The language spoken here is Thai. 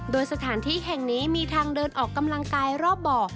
โดยสถานที่แห่งนี้มีทางเดินออกกำลังกายรอบบ่อ